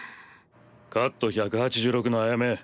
カット１８６のアヤメ。